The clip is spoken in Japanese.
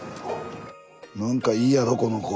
なんかいいやろこの子。